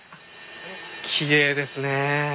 きれいですね。